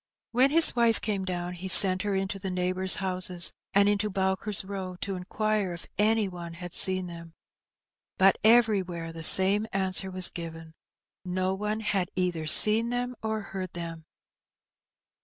When his wife came down he sent her into the neighbours' houses, and into Bowker's Eow, to inquire if any one had seen them. But everywhere the same answer was given : no one had either seen them or heard them.